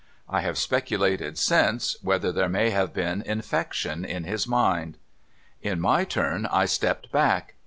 I have speculated since, whether there may have been infection in his mind. In my turn, I stepped back.